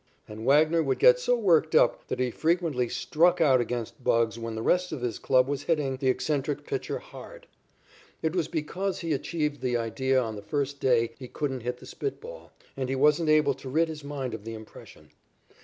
And Wagner would get so worked up that he frequently struck out against "Bugs" when the rest of his club was hitting the eccentric pitcher hard. It was because he achieved the idea on the first day he couldn't hit the spit ball, and he wasn't able to rid his mind of the impression.